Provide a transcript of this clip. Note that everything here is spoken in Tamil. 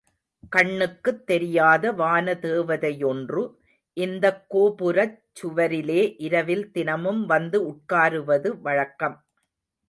கண்ணுக்குத் தெரியாத வானதேவதையொன்று, இந்தக் கோபுரச் சுவரிலே இரவில் தினமும் வந்து உட்காருவது வழக்கம்.